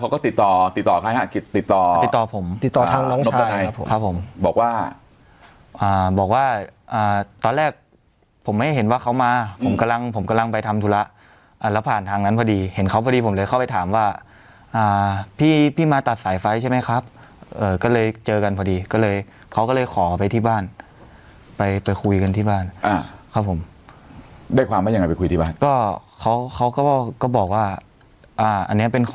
ครับผมบอกว่าอ่าบอกว่าอ่าตอนแรกผมไม่เห็นว่าเขามาผมกำลังผมกำลังไปทำธุระอ่าแล้วผ่านทางนั้นพอดีเห็นเขาพอดีผมเลยเข้าไปถามว่าอ่าพี่พี่มาตัดสายไฟใช่ไหมครับเอ่อก็เลยเจอกันพอดีก็เลยเขาก็เลยขอไปที่บ้านไปไปคุยกันที่บ้านอ่าครับผมได้ความว่ายังไงไปคุยที่บ้านก็เขาเขาก็ว่าก็บอกว่าอ่าอันนี้เป็นข